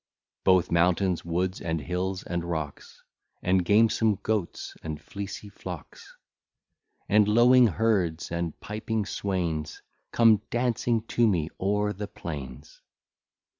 Both mountains, woods, and hills, and rocks And gamesome goats, and fleecy flocks, And lowing herds, and piping swains, Come dancing to me o'er the plains.